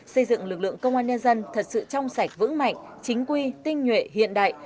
xây dựng lực lượng công an nhân dân thật sự trong sạch vững mạnh chính quy tinh nhuệ hiện đại